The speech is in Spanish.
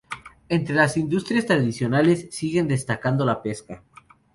Entre las industrias tradicionales sigue destacando la pesca.